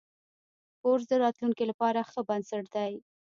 کورس د راتلونکي لپاره ښه بنسټ دی.